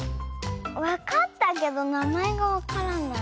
わかったけどなまえがわからない。